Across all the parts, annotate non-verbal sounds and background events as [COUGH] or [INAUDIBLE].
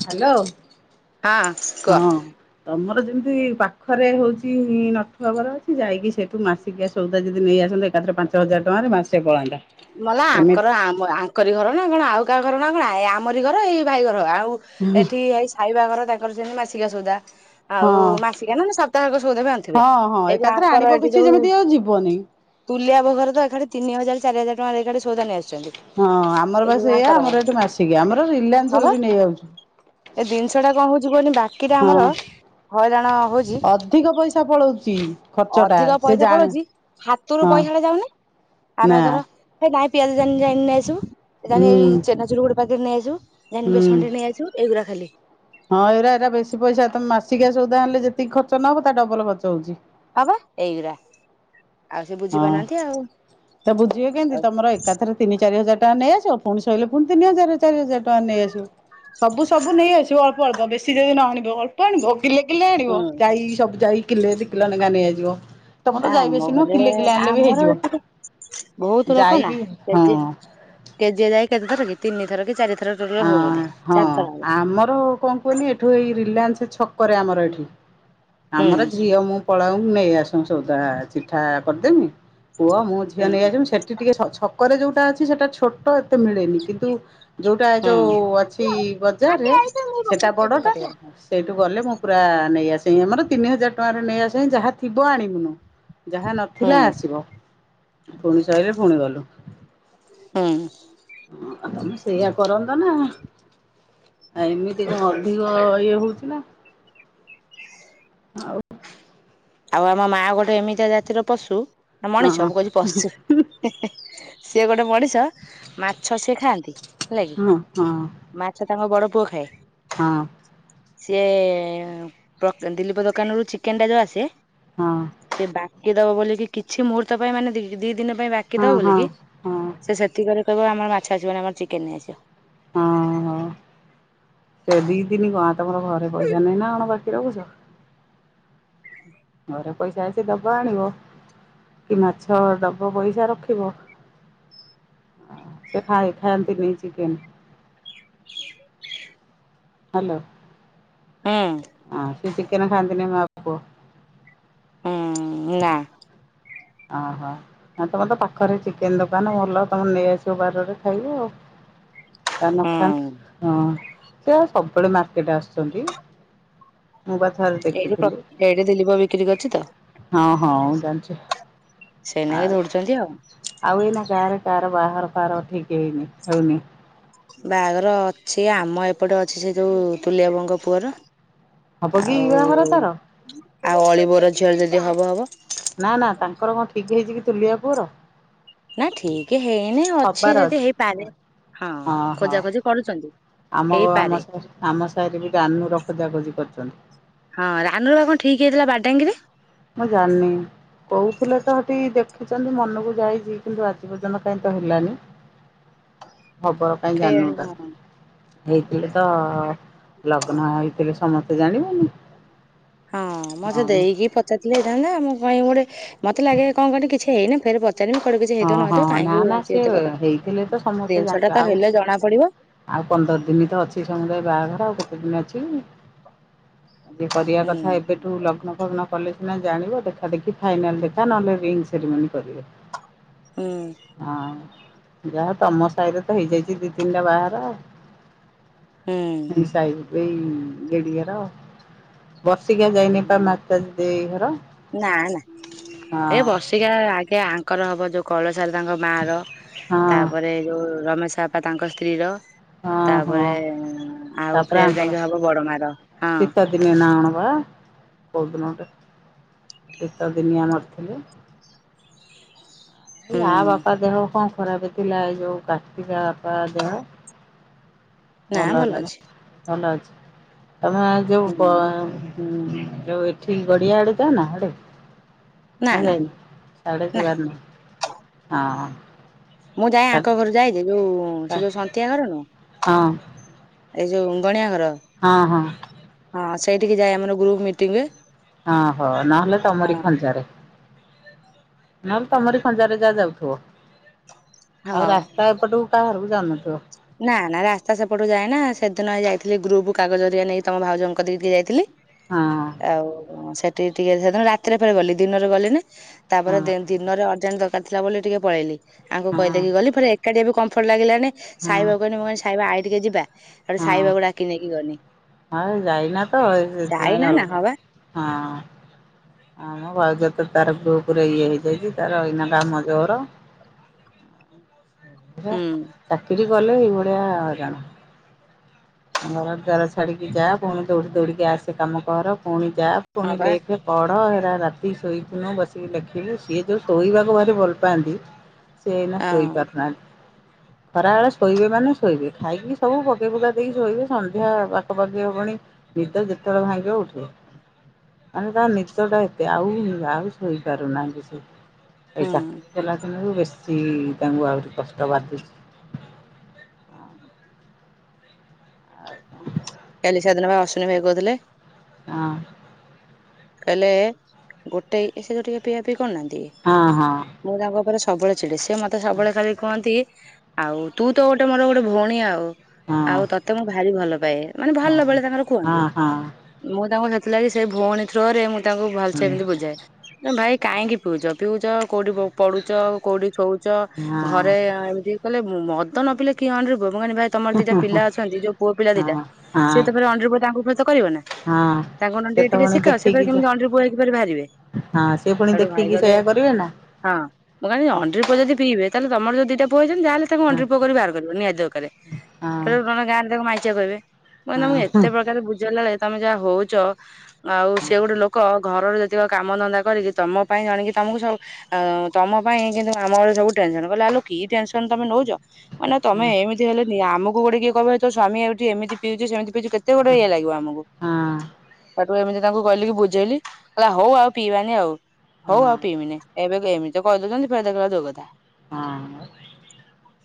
Hello, ହଁ କୁହ। ହଁ। ତମର ଯେମିତି ପାଖରେ ହଉଛି ନଥ ନଗର ଅଛି ଯାଇକି ସେଠୁ ମାସେ ଟିକେ ସଉଦା ଯଦି ନେଇ ଆସନ୍ତେ ଏକାଥରେ ପାଞ୍ଚ ହଜାର ଟଙ୍କାରେ ମାସେ ପଳାନ୍ତା। ମଲା ଆଙ୍କର ଏମିତି ଆମ ଆଙ୍କରି ଘର ନା କ'ଣ ଆଉ କାହା ଘର ନା କଣ ଏ ଆମରି ଘର ଏଇ ଭାଇ ଘର ଆଉ ଏଠି ହେଇ ସାଇବାଘର ତାଙ୍କର ଯେମି ମାସିକା ସଉଦା। ଆଉ ହଁ ମାସିକା ନା ସପ୍ତାହକ ସଉଦା ବି ଆଣୁଥିବେ ହଁ ହଁ ଏଇ ଯୋଉ ଏକାଥରେ ଆଙ୍କର ଆଣିବ ଏଇଠି କିଛି ଯୋଉଁ ଯେମିତି ଆଉ ଯିବନି। ତୁଲିଆ ବୋହୂ ଘର ତ ଏକାଠି ତିନି ହଜାର ଚାରି ହଜାର ଟଙ୍କାରେ ଏକାଠି ସଉଦା ନେଇ ଆସ ହଁ ଆମର ବା ସେୟା ଆମର ଏଠି ମାସିକିଆ ଆମର ହଁ ରିଲାନ୍ସ ବା ରୁ ବି ନେଇ ଆଉଛୁ। ଏ ଜିନିଷ ଟା କଣ ହଉଛି କୁହିଲୁ ବାକିଟା ହଁ ଆମର ହଇରାଣ ହଉଛି, ଅଧିକ ପଇସା ପଳଉଛି ଖର୍ଚ୍ଚ ଟା ଅଧିକ ସେ ପଇସା ଜାଣେ ପଳଉଛି। ହାତରୁ ହଁ ପଇସା ଟା ଯାଉନି ନା ଆମେ ଏଥର ଏ ନାଇଁ ପିଆଜ ଯାଇ ନେଇ ନେଇ ଆସିବୁ, ଯାଉନୁ ହୁଁ ଏଇ ଚନାଚୁରୁ ଗୋଟେ ପାକେଟେ ନେଇ ଆସିବୁ। ଜାନି ହୁଁ। ବେସନଟେ ନେଇ ଆସିବୁ ଏଇଗୁଡା ଖାଲି। ହଁ ଏଇରା ଏରା ବେଶୀ ପଇସା ତମେ ମାସିକିଆ ସଉଦା ଆଣିଲେ ଯେତିକି ଖର୍ଚ୍ଚ ନ ହବ ତା ଡବଲ ଖର୍ଚ୍ଚ ହଉଛି। ହୋ ବା ଏଇ ଗୁଡା। ହଁ ତ ବୁଝିବେ କେମତି ଆଉ ତମର ଏକାଥରେ। ତିନି ଚାରି ହଜାର ଟଙ୍କା ନେଇଆସିବ, ପୁଣି ସରିଲେ ତିନି ହଜାର ଚାରି ହଜାର ଟଙ୍କା ନେଇଆସିବ। ସବୁ ସବୁ ନେଇ ଆସିବ ଅଳ୍ପ ଅଳ୍ପ, ବେଶୀ ଯଦି ନ ଆଣିବେ ଅଳ୍ପ ଆଣିବ କିଲେ କିଲେ ହୁଁ ଆଣିବ ଯାଇ ସବୁ ଯାଇ କିଲେ ଦି କିଲୋ ଲେଖା ନେଇଆସିବ, ତମ ତ ଯାଇବେସି ନୁହ ଏ ଆମର ଏଠି ତ ବହୁତ ଲୋକ ଯାଇ ନା ବି ସେ ହଁ। ଯେ କେଜିଏ ଯାଏ କେତେଥର କି ତିନିଥର କି ଚାରିଥର ଟୋଟାଲ ଆ ହବ ବୋଧେ, ହଁ ଚାରିଥର ହବ। ଆମର ଅ କଣ କହିଲି ଏଠୁ ଏଇ ରିଲାଏନ୍ସ ଛକରେ ଆମର ଏଠି, ଆମର ହୁଁ ଝିଅ ମୁଁ ପଳାଉ ନେଇ ଆସୁ ସଉଦା ଚିଠା କରିଦେମି ପୁଅ ମୁଁ ଝିଅ ହୁଁ ନେଇଯସିବୁ, ସେଠି ଟିକେ ଛକରେ ଯୋଉଟା ଅଛି ସେଟା ଛୋଟ ଏତେ ମିଳେନି କିନ୍ତୁ ଯୋଉଟା ହୁଁ। ଯେଉଁ ଅଛି ବଜାରରେ ସେଇଟା ବଡ଼ଟା ସେଇଠୁ ଗଲେ ମୁଁ ପୁରା ନେଇଆସେ ଆମର ତିନି ହଜାର ଟଙ୍କାରେ ନେଇ ଆସେ, ଯାହା ଥିବ ଆଣିବୁନୁ। ଯାହା ହୁଁ ନଥିଲା ଆସିବ ପୁଣି ସରିଲେ ପୁଣି ଗଲୁ। ହୁଁ। ହଁ ତମେ ସେଇଆ କରନ୍ତା ନା। ଆ ଇମିତି ଅଧିକ ଇଏ ହଉଚି ନା। ଆଉ ଆଉ ଆମ ମାଆ ଗୋଟେ ଏମିତିଆ ଜାତିର ପଶୁ ନା ମଣିଷ ହଁ ମୁଁ କହୁଚି ପଶୁ। ସିଏ ଗୋଟେ ମଣିଷ, ମାଛ ସିଏ ଖାଆନ୍ତି ହେଲା କିି। ହଁ ହଁ ମାଛ ତାଙ୍କ ବଡ଼ ପୁଅ ଖାଏ। ହଁ! ସିଏ ଦିଲିପ ଦୋକାନରୁ ଚିକେନ୍‌ ଟା ଯଉ ଆସେ। ହଁ! ସେ ବାକି ଦବ ବୋଲିକ, କିଛି ମୁହୂର୍ତ୍ତ ପାଇଁ ମାନେ--ଦି ଦି ପାଇଁ ବାକି ହଁ ଦବ ହଁ ବୋଲିକି। ହଁ କହିବ, ଆମର୍ ମାଛ ଆସିବନି ଆମର୍ ଚିକେନ ନେଇ ଆସିବ। [INAUDIBLE] ଘରେ ପଇସା ଅଛି, ଦବ ଆଣିବ। କି ମାଛ ଦବ ପଇସା ରଖିବ। ସେ ଖାଏ, ଖାଆନ୍ତିନି ଚିକେନ୍‌। [INAUDIBLE] [INAUDIBLE] ସେ ଚିକେନେ ଖାଆନ୍ତିିନି ମା ପୁଅ। [INAUDIBLE] [INAUDIBLE] ତମର୍ ତ ପାଖରେ ଚିକେନ୍ ଦୋକା, ତମର୍ ନେଇଆସିବ ବାର୍ ବାର୍ ଖାଇବେ ଆଉ। ହୁଁ [INAUDIBLE] ଏଇଠି ଏଇଠି ଦିଲୀପ ବିକ୍ରି କରିଛି ତ [INAUDIBLE] ଛେଇ ଲାଗି ଆଉ ଦଉଡୁଚନ୍ତି ଆଉ। ଆଉ ଏଇନା ରେ କାଆର ବାହା ଠିକ୍ ହେଇନି, ହଉନି। ବାହାଘର ଅଛି, ଆମ ଏପଟେ ଅଛି ସେ ଯଉ ତୁଲେଇ ବାବୁଙ୍କ ପୁଅର। ହବ କି ବାହାଘର ଆଉ, ତାର? ଆଉ ଅଳି ବଉର ଝିଅର ଯଦି ହବ ହବ। ନା ନା, ତାଙ୍କର କ'ଣ ଠିକ୍ ହେଇଚି କି? ତୁଲେଇ ବାବୁ ନା ଠିକି ହେଇନି ଅଛି ହବାର ଯଦି ହଁ ହେଇପାରେ, ହଁ ହଁ। ଖୋଜା ଖୋଜି କରୁଚନ୍ତି। [INAUDIBLE] ହଁ, ରାନୁର ବା କ'ଣ ଠିକି ହେଇଥିଲା ବାଡ଼ାଙ୍ଗିରେ। ମୁଁ, ଜା--ନି। କହୁଥୁଲେ ତ ହେଟି ଦେଖିଚନ୍ତି ମନକୁ ଯାଇଚି, କିନ୍ତୁ ଆଜି ପର୍ଯ୍ୟନ୍ତ କାଇଁ ତ ହେଲାନି। କେଆଣି ହଁ [INAUDIBLE] [INAUDIBLE] [INAUDIBLE] ହଁ, ମ ସେ ହଁ। ଦେଇକି ପଚା ଥିଲେ ହେଇଥାନ୍ତା। ମୁଁ ଗୋଟେ, ମତେ ଲାଗେ କିଛି ହେଇନି ହଁ ହଁ ନା ନା ସେ ହେଇଥିଲେ ତ ସମସ୍ତେ ଜାଣିବେ ଆଉ [INAUDIBLE] ଆଉ ପନ୍ଦର୍ ଦିନି ତ ଅଛି ସମୁଦାୟେ ବାହାଘର। ଆଉ କେତେ ଦିନି ଅଛି କି? [INAUDIBLE] ଲଗ୍ନ ହୁଁ ଫଗ୍ନ କଲେ ସିନା ଜାଣିବ, ଦେଖା ଦେଖି ଫାଇନାଲ୍ ଦେଖା ନହେଲେ ରିଙ୍ଗ୍ ସେରିମନି କରିବେ। [INAUDIBLE] ଯାହା ତମ ସାଇରେ ତ ହେଇ ଯାଇଚି ଦି, ତିନିଟା ବାହା--ର ଆଉ। ହୁଁ। [INAUDIBLE] ବର୍ଷିକିଆ ଯାଇନି ପା, ମାତା ଦେଇ ହର। ନା ନା ଏ ବର୍ଷିକିଆ ଆଗେ ଆଙ୍କର ହବ, ଯଉ କଇଳ ସାର୍ ତାଙ୍କ ମା ର। ହଁ ତା'ପରେ ଯଉ ରମେଶ୍ ପା ତାଙ୍କ ସ୍ତ୍ରୀ ର। ହଁ ହଁ ତା'ପରେ ଆଉ ତାପରେ ଫେର୍ ଆଙ୍କର ଯାଇ ହବ ବଡ଼ ମାର ହଁ। [INAUDIBLE] ଏଇ ଆ ହୁଁ ବାପା ଦେହ ଙ୍କ ଖରାପେ ଥିଲା? ଯଉ କାର୍ତ୍ତିକା ବାପା ଦେହ। ନା ଭଲ ଅଛି [INAUDIBLE] ଯଉ ଏଠି ହୁଁ ଗଡ଼ିଆ ଆଡ଼େ ଯାଆନା ନା ହାଡ଼େ। ନା ଯାଇନି ସାଢେ ନା ଯିବାର ନାଇଁ ହଁ। ମୁଁ ଯାଏ ହଁ ଆଙ୍କ ଘରୁ ଯାଇଛି ଯୋଉ ହଁ ସେ ଯୋଉ ସନ୍ତିଆ ଘର ନୁହ। ଏଇ ଯୋଉ ଗଣିଆ ଘର। ହଁ ହଁ। ହଁ ସେଇଠିକି ଯାଏ ଆମର ଗ୍ରୁପ ମିଟିଙ୍ଗରେ। ହଁ ହୋ ନହେଲେ ତମରି ଖଞ୍ଜାରେ। ନହେଲେ ତମରି ଖଞ୍ଜରେ ଯାହା ଯାଉଥିବ। ଆଉ ହଉ ରା ସ୍ତା ଏପଟକୁ କହାରକୁ ଜାଉନଥିବ। ନା ନା ରାସ୍ତା ସେପଟୁ ଯାଏନା ସେଦିନ ହେଇ ଯାଇଥିଲି ଗ୍ରୁପ କାଗଜରିଆ ନେଇକି ତମ ଭାଉଜଙ୍କ କତିକି ଟିକେ ଯାଇଥିଲି। ହଁ ଆଉ ସେଠି ଟିକେ ସେଦିନ ରାତିରେ ଫେରେ ଗଲି ଦିନରେ ଗଲିନି ହଁ ତାପରେ ଦେନ୍ ଦିନରେ ଅର୍ଜେଣ୍ଟ ଦରକାରଥିଲା ବୋଲି ଟିକେ ପଳେଇଲି ଆଙ୍କୁ ହଁ। କହିଦେଇକି ଗଲି ଫରେ ଏକାଠିଆ ବି କମ୍ଫର୍ଟ ଲାଗିଲାନି ହଁ ହଁ ସାଇବାକୁ କହନି ମୁଁ କହିନି ସାଇବା ଆଇ ଟିକେ ଯିବା ସେଠୁ ସାଇବାଗକୁ ଡାକି ନେଇକି ଗନି। ଆଉ ଯାଇନା ତ ସେଥିପାଇଁ ଯାଇନା ନା ଆଉ ହଁ ବା ହଁ। ଆମ ଭାଉଜତ ତାର ଗ୍ରୁପ ରେ ଇଏ ହେଇଯାଇଛି ତାର ଏଇନା କାମ ଜୋର। ସେଇଆ ହୁଁ ଚାକିରି କଲେ ଏଇଭଳିଆ ହଇରାଣ। ଘର ଦ୍ୱାର ଛାଡିକି ଯା ପୁଣି ଦୌଡି ଦୌଡିକି ଆସେ କାମ କର ପୁଣି ଯା ହଁ ପୁଣି ବା ଲେଖ୍ ସେ ପଢ଼ ହେରା ରାତି ଶୋଇଥିନୁ ବସିକି ଲେଖିଲୁ ସିଏ ଯଉଁ ଶୋଇବାକୁ ଭାରି ଭଲ ପାଆନ୍ତି। [INAUDIBLE] ସେ ଏଇନା ହଁ ଶୋଇପାରୁନାହାନ୍ତି ଖରାବେଳେ ଶୋଇବେ ମାନେ ଶୋଇବେ ଖାଇକି ସବୁ ପକେଇ ପୁକା ଦେଇକି ଶୋଇବେ ସନ୍ଧ୍ୟା ପାଖପାଖି ହବଣି ନିଦ ଯେତେବେଳେ ଭାଙ୍ଗିବ ଉଠିବେ। ମାନେ ତାଙ୍କ ନିଦଟା ଏତେ ଆଉ ଆଉ ଶୋଇପାରୁନାହାନ୍ତି ସେ। ଏଇ ହୁଁ ଚାକିରି କଲା ଦିନରୁ ବେଶୀ ତାଙ୍କୁ ଆହୁରି କଷ୍ଟ ବାଧୁଛି। ଆଉ କଣ? କାଲି ସେଦିନ ପା ଅସିନି ଭାଇ କହୁଥିଲେ। ହଁ। କହଲେ ଗୋଟେଇ ସେ ଯୋଉ ଟିକେ ପିଇଆ ପିଇ କରିନାହାନ୍ତି କି? ହଁ ହଁ। ମୁଁ ତାଙ୍କ ଉପରେ ସବୁବେଳେ ଚିଡେ ସିଏ ମତେ ସବୁବେଳେ ଖାଲି କୁହନ୍ତି ଆଉ ତୁ ତ ଗୋଟେ ମୋର ଗୋଟେ ଭଉଣୀ ଆଉ ହଁ ଆଉ ତତେ ମୁଁ ଭାରି ଭଲ ପାଏ। ମାନେ ହଁ ଭଲ ହଁ ବେଳେ ତାଙ୍କର କୁହନ୍ତି। ହଁ ହଁ ମୁଁ ତାଙ୍କୁ ସେଥିଲାଗି ସେଇ ଭଉଣୀ ଥ୍ରୁରେ ମୁଁ ତାଙ୍କୁ ହୁଁ ଭଲସେ ଏମିତି ବୁଝାଏ। ନା ଭାଇ କାହିଁକି ପିଉଛ ପିଉଛ କୋଉଠି ପଢୁଛ କୋଉଠି ସୋଉଛ ହଁ ଘରେ ଏମିତି କଲେ ମଦ ନ ପିଲଲେ କି ଅଣ୍ଡିରି ପୁଅ ପୁଅ ମାନେ ତମର ଦିଟା ପିଲା ଅଛନ୍ତି ଯୋଉ ପୁଅ ପିଲା ଦିଟା ହଁ ହଁ ସିଏ ତରେ ଅଣ୍ଡିରି ପୁଅ ତାଙ୍କୁ ଫ ତ କରିବ ନା। ହଁ। ତାଙ୍କ ଅଣ୍ଡ ସେ ତ ଟିକେ ପୁଣି ସିଖା ସେପରେ ଦେଖିକି ଯେ କେମିତି ଅଣ୍ଡିରୀ ପୁଅ ହେଇକିରି ବାହାରିବେ। ହଁ ସେ ପୁଣି ହେଠୁ ଭାଇ ଦେଖିକି କହିଲେ ସେୟା କରିବେ ନା। ହଁ ମୁଁ କିଲି ହଁ ଅଣ୍ଡିର ପୁଅ ଯଦି ପିବେ ତାହେଲେ ତମର ଯଉ ଦିଟା ପୁଅଛନ୍ତି ଯହାେଲେ ତାକୁ ହଁ ଅଣ୍ଡିର୍ ପୁଅକରି ବାହାର କରିବ ନିହାତି ଦକାରେ ହଁ ତାକୁ ନାହେନେ ଗାଁରେ ତାକୁ ମାାଇଚିଆ କହିବେ। ମାନେ ମୁଁ ହଁ ହଁ ଏତେ ପ୍ରକାର ବୁଝେଇଲା ବେଳେ ତମେ ଯାହା ହଉଛ ଆଉ ସେ ଗୋଟେ ଲୋ ଲୋକ ଘରର ଯେତିକ କାମ ଧନ୍ଦା କରିକି ତମ ପାଇଁ ଜାଣିକି ତମକୁ ସବୁ ଆଉ ତମ ପାଇଁ କିନ୍ତୁ ଆମ ଘରେ ସବୁ ଟେନସନ କହିଲେ ଆଲୋ କି ଟେନସନ ତମେ ନଉଛ? ମାନେ ତମେ ଏମତି ହେଲେ ଆମକୁ ଗୋଟେ କିଏ କହିବ ତ ସ୍ୱାମୀ ଏଉଠି ଏମତି ପିଉଛି ଯେ ସେ କେତେ ଗୋଡେ ଇ ଲାଗିବ ଆମକୁ। ହଁ। ହଁ ଏମିତି ତାଙ୍କୁ କହିଲି ବୁଝେଇଲି କହିଲା ହଉ ଆଉ ପିଇବାନି ଆଉ ହଉ ଆଉ ପିଇବିନି। ଏବେ ଏମିତି ତ କହିଦଉଛନ୍ତି ଫେର ଦେ କ ଦଉ କଥା। ହଁ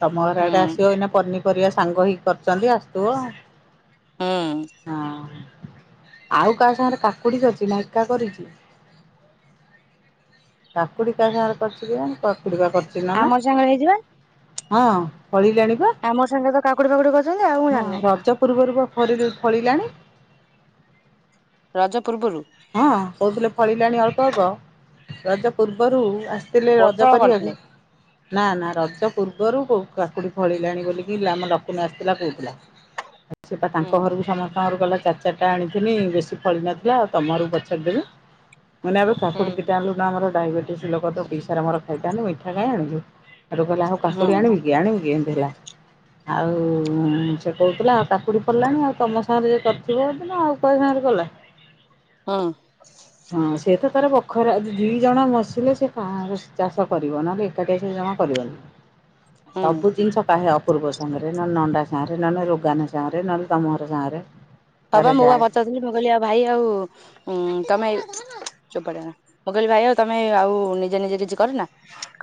ତମ ଘର ହୁଁ ଆଡେ ଆସିବ ଏଇନା ପନି ପରିବା ସାଙ୍ଗ ହେଇ କରିଛନ୍ତି ଆସଥିବ। ହଁ। ଆଉ କାହା ସାଙ୍ଗରେ କାକୁଡି କରିଛି ନାଇକା କରିଛି। କାକୁଡି କା ସାଙ୍ଗରେ କରିଛି କିଜାଣି କାକୁଡିକା କରିଛି ନାନା ଆମ ସାଙ୍ଗରେ ହେଇଯିବା ହଁ ଫଳିଲାଣି ବା ଆମର୍ ସାଙ୍ଗେ ତ କାକୁଡି ଫାକୁଡି କରଛନ୍ତି ଆଉ ମୁଁ ହଁ ଜାଣିନି ରଜ ପୂର୍ବରୁ ଫରିରୁ ଫଳିଲାଣି। ରଜ ପୂର୍ବରୁ ହଁ କହୁଥିଲେ ଫଳିଲାଣି ଅଳ୍ପ ଅଳ୍ପ ରଜ ପୂର୍ବରୁ ଆ ଥିଲେ ରଜ ପୋଟଳ କରିବାକୁ। କରିଥିଲେ ନା ନା ରଜ ପୂର୍ବରୁ କାକୁଡି ଫଳିଲାଣି ବୋଲିକି ଆମ ଲକ୍ନା ଆସିଥିଲା କହୁଥିଲା ସେ ତାଙ୍କ ହୁଁ ଘରକୁ ସମସ୍ତଙ୍କର ଗଲା ଚାରି ଚାରିଟା ଆଣିଥିଲି ବେଶୀ ଫଳି ନଥିଲା ଆଉ ତମ ଘରକୁ ପଛରେ ଦେବି ମାନେ ଏବେ ହୁଁ କାକୁଡି ଦିଟା ଆଣିନୁ ଆମର ଡାଇବେଟିସ୍ ଲୋକତ ପଇସାରେ ଆମର ଖାଇଥାନ୍ତୁ ମିଠା ଖାଇ ଆଣୁ ଆଉ କହିଲେ ଆଉ ହୁଁ କାକୁଡି ଆଣିବି କି? କି ଆଣିବି କି ଏନ୍ତି ହେଲା ଆଉ ସେ କହୁଥିଲା ଆଉ କାକୁଡ଼ି ଫଳିଲାଣି ଆଉ ତମ ସାଙ୍ଗରେ ଯ କରିଥିବ ଯଦି ଆଉ କା ସାଙ୍ଗ ରେ କଲା? ହଁ ହଁ ସେ ତ ତାର ବଖରା ଦି ଜଣ ବସିଲେ ସେ କାହା ଚାଷ କରିବ ନହେଲେ ଏକାଟିଆ ସେ ଜମା କରିବନି। ହୁଁ। ସବୁ ଜିନିଷ କାହେ ହବ ପୂର୍ବ ସାଙ୍ଗରେ ନହଲେ ନଣ୍ଡା ସାଙ୍ଗରେ ନହେଲେ ରୋଗାନା ସାଙ୍ଗରେ ନହେଲେ ତମଘର ସାଙ୍ଗରେ ତାର ହବ ମୁଁ ଯା ବା ପଚାରୁଥିଲି ମୁଁ କହିଲି ଆ ଭାଇ ଆଉ ତମେ [INAUDIBLE] ଚୋପା ମୁଁ କହିଲି ଭାଇ ଆଉ ତମେ ଆଉ ନିଜେ ନିଜେ କିଛି କରିନା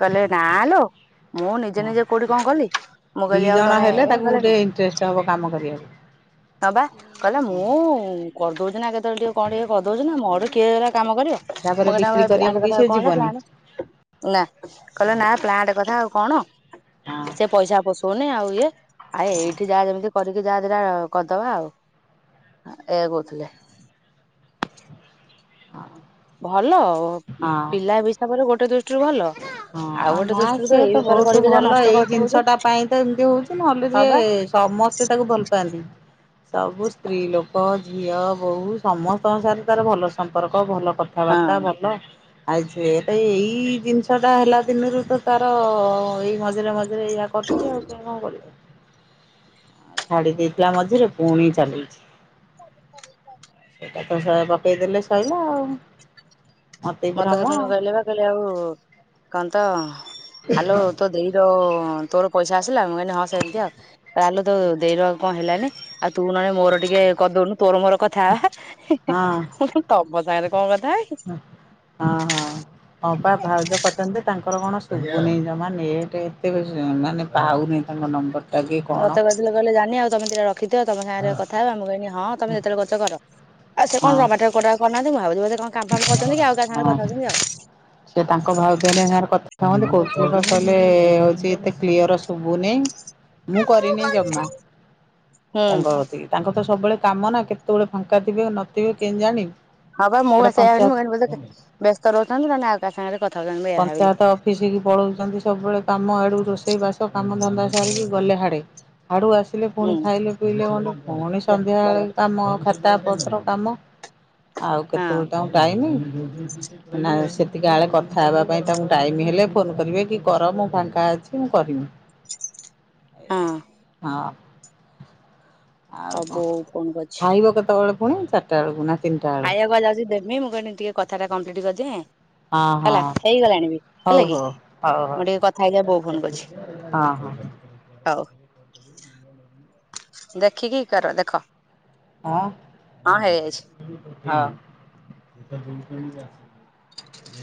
କହିଲେ ନାଲୋ ମୁଁ ନିଜେ ହଁ ନିଜେ କୋଉଠି କଣ କଲି ମୁଁ ଦି କହିଲି ଆଉ ଜଣ ତମେ ହେଲେ ଏଇ ତାକୁ ଗଲେ ଗୋଟେ [INAUDIBLE] ଇଣ୍ଟରେଷ୍ଟ ହବ କାମ କରିବାକୁ। ହଁ ବା କହିଲା ମୁଁ କରିଦଉଛି ନା କେତେବେଳେ ଟିକେ କଣ ଟିକେ କରିଦଉଛି ନା ମୋ ଗଟେ କିଏ ହେଲା କାମ କରିବ। ତାପରେ ମୁଁ କ ବିକ୍ରି ଭାଇ କରିବାକୁ ପ୍ଲାଣ୍ଟ ବି କଥା ସେ କଣ ହେଲା ପ୍ଲା ଯିବନି। ନା କହିଲା ନା ପ୍ଲାଣ୍ଟ କଥା ଆଉ କଣ ହଁ ସେ ପଇସା ପସ ଶୁଣିି ଆଉ ଇଏ ଆ ହଁ ଏଇଠି ଯାହା ଯେମିତି କରିକି ଯାହାଟା କରିଦବା ଆଉ ଏ କହୁଥିଲେ। ହଁ ଭଲ ହଁ। ପିଲା ହିସାବରେ ଗୋଟେ ଦୃଷ୍ଟିରୁ ଭଲ ହଁ ଆଉ ଗୋଟେ ନା ଦୃଷ୍ଟିରୁ ସିଏ ଏଇ ତ ବେପାର ବହୁତ କରିକି ଯାହା ଭଲ ନଷ୍ଟ ଏଇ କରିଦଉଛନ୍ତି। ଜିନିଷ ଟା ପାଇଁ ତ ଏମତି ହଉଚି ନହେଲେ ହଁ ଯିଏ ବା ସମ ସେ ତାକୁ ଭଲପାନ୍ତି। ସବୁ ସ୍ତ୍ରୀ ଲୋକ ଝିଅ ବହୁ ସମସ୍ତଙ୍କ ସାହିତ ତାର ଭଲ ସମ୍ପର୍କ ଭଲ ହଁ କଥାବାର୍ତ୍ତା ଭଲ ଆଇ ଏଇ ଜିନିଷ ଛୁଆଟା ହେଲା ଦିନରୁ ତ ତାର ଏଇ ମଝିରେ ମଝିରେ ୟଆ କରୁଚି ଆଉ ସେ କଣ କରିବ। ଛାଡି ଦେଇଥିଲା ମଝରେ ପୁଣି ଚଳେଇଚି ସେଥିରୁ ସହେ ପକେଇଦେଲେ ସଇଲା ଆଉ। ମତି ମତେ ଭ୍ରମ ସେଦିନ ଆଉ କହିଲେ ବା କହିଲେ ଆଉ କନ୍ତ ଆଲୋ ତୋ ଦେଇ ଯୋ ତୋର ପଇସା ଆସିଲା ମୁଁ କହିଲି ହଁ ସେମିତି ଆଉ ତାହେଲେ ତୋ ଦେଇ ର କଣ ହେଲାନି ଆଉ ତୁ ନହେଲେ ମୋର ଟିକେ କରିଦଉନୁ ତୋର ମୋର କଥା ହବା ମୁଁ କହିଲି ତମ ସାଙ୍ଗରେ କଣ କଥା ହେବି। ହଁ ହଁ ହଁବା ଭାଉଜ କରିଥାନ୍ତେ ଯେ ତାଙ୍କର କଣ ଶୁଭୁନି ଜମା ନେଟ ଏତେ ବେଶ ମାନେ ପାଉନି ତାଙ୍କ ନମ୍ବର ଟା କି କଣ ମତେ କହିଥିଲେ କହିଲେ ଯାନି ଆଉ ତମେ ଦିଇଟା ରଖିଥିବ ତମ ସାଙ୍ଗରେ କଥା ହବା ମୁଁ କହିଲି ହଁ ତମେ ଯେତେଳେ କରୁଚ କର। ଆଉ ସେ କଣ ହଁ ଯମାଟୋ [INAUDIBLE] କରନାନ୍ତି ମୁ ଭାବୁି କାମ ଫାମ କରୁଛନ୍ତି କି ଆଉ କା ସାଙ୍ଗରେ ହଁ କଥାହଉଛନ୍ତି ଆଉ ସେ ତାଙ୍କ ଭାଉଜ ହରିକା ସାଙ୍ଗରେ କଥାହନ୍ତି କୋଉ କହିଲେ ହଉଛି ଏତେ କ୍ଲିୟର ଶୁଭୁନି। ମୁଁ କରିନି ଜମା ହୁଁ ତାଙ୍କ ଥିକି ତାଙ୍କର ସବୁବେଳେ କାମ ନା କେତେବେଳେ ଫାଙ୍କା ଥିବେ ନଥିବେ କେମିତି ଜାଣିବି ହଁ ବା ମୁଁ ଆଡେ ସେଇଆ ବିଲି ପଞ୍ଚାୟତ ମୁଁ ବୋଧେ ବ୍ୟସ୍ତ ରହୁଛନ୍ତି ନହେଲେ ଆଉ କାହା ସାଙ୍ଗରେ କଥାଉଛନ୍ତି ମୁଁ ଏଇଆ ଭାବିଲି ମିଶିକି ପଳଉଛନ୍ତି ସବୁବେଳେ କାମ ଆଡୁ ରୋଷେଇ ବାସ କାମ ଧନ୍ଦା ସାରିକି ଗଲେ ହାଡ଼େ ଆଡୁ ଆସିଲେ ପୁଣି ହୁଁ ଖାଇଲେ ପିଇଲେ କଲେ ପୁଣି ଯା ସନ୍ଧ୍ୟା ଭଲ ବେଳେ କାମ ଖା ତା ପତ୍ର କାମ ଆଉ ହଁ। କେତେବେଳେ ତାଙ୍କୁ ଟାଇମ। ନା ସେତିକି ଆଳେ କ କଥା ହେବା ପାଇଁ ତାଙ୍କୁ ଟାଇମ ହେଲେ ଫୋନ କରିବେ କି କର ମୋ ଫାଙ୍କା ଅଛି ମୁଁ କରିବି। ହଁ ହଁ। ଆଉ କ ବୋଉ ଫୋନ କରିଛି। ଖାଇବ କେତେବେଳ ପୁଣି ଚାରିଟା ବେଳକୁ ନା ତିନିଟା ବେଳେ ତାକୁ ବା ଯାଉଚି ଦେବି ମୁଁ କଇନି ଟିକେ କଥା ଟା କଂପ୍ଲିଟ୍ କରିଦିଏଁ। ହଁ ହେଲା ହଁ ହେଇଗଲାଣି ବି ହଉ ହେଲା ହଉ କି ହଉ ମୁଁ ଟିକେ କଥା ହେଇଯାଏ ବୋଉ ଫୋନ କରୁଛି। ହଉ ହଁ ହଁ ହଉ ଦେଖିକି କର ଦେଖ। ହଁ। ହଉ।